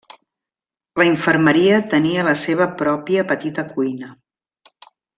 La infermeria tenia la seva pròpia petita cuina.